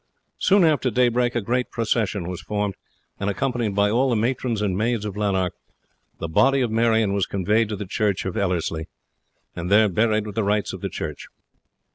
Soon after daybreak a great procession was formed, and accompanied by all the matrons and maids of Lanark the body was conveyed to the church at Ellerslie, and there buried with the rites of the church.